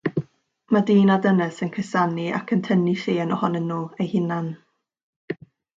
Mae dyn a dynes yn cusanu ac yn tynnu llun ohonyn nhw eu hunain.